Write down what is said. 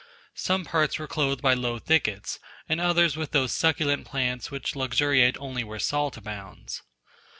Some parts were clothed by low thickets, and others with those succulent plants, which luxuriate only where salt abounds.